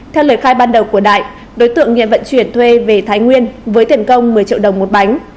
theo lời khai ban đầu của đại đối tượng nghiện vận chuyển thuê về thái nguyên với tiền công một mươi triệu đồng một bánh